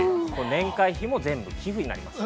年会費も全部寄附になります。